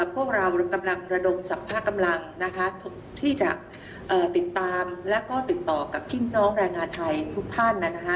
พวกเรากำลังระดมสรรพากำลังที่จะติดตามแล้วก็ติดต่อกับพี่น้องแรงงานไทยทุกท่าน